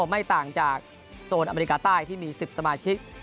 ไม่ต่างจากโซนอเมริกาใต้ที่มี๑๐สมาชิก